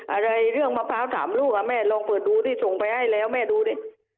อะไรเรื่องมะพร้าวถามลูกแม่ลองเปิดดูดิส่งไปให้แล้วแม่ดูดิ